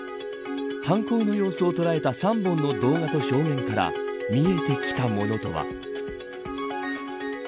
犯行の様子を捉えた３本の動画と、証言から見えてきたものとは。